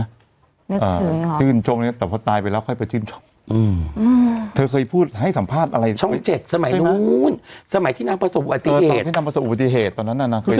อ่าขึ้นชกเนี้ยแต่พอตายไปแล้วค่อยไปขึ้นนัง